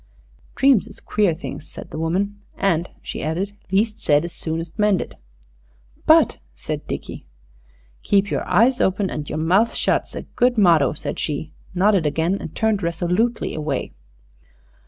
"Dreams is queer things," said the woman. "And," she added, "least said is soonest mended." "But ..." said Dickie. "Keep your eyes open and your mouth shut's a good motto," said she, nodded again, and turned resolutely away.